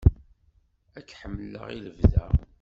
Ad k-ḥemmleɣ i lebda.